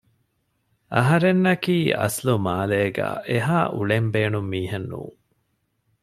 އަހަރެންންނަކީ އަސްލު މާލޭގައި އެހާ އުޅެން ބޭނުން މީހެއް ނޫން